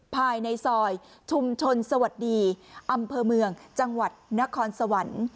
ภายในซอยชุมชนสวัสดีอำเภอเมืองจังหวัดนครสวรรค์